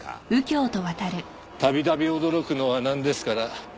度々驚くのはなんですから。